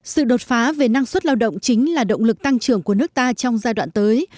sự đột phá về năng suất lao động chính là động lực tăng trưởng của nước ta trong giai đoạn tới